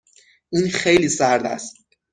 این خیلی سرد است.